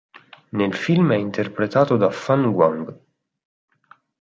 Nel film è interpretato da Fan Guang.